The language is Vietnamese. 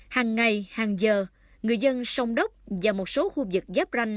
hàng ngày hàng giờ người dân sông đốc và một số khu vực giáp ranh